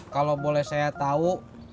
kalau boleh saya tau